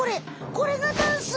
これがダンス？